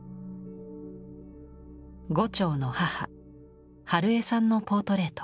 牛腸の母春江さんのポートレート。